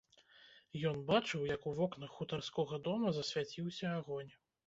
Ён бачыў, як у вокнах хутарскога дома засвяціўся агонь.